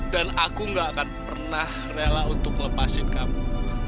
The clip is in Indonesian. dan aku gak akan pernah rela untuk melepasin kamu